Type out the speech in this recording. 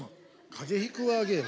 風邪ひくわゲーム？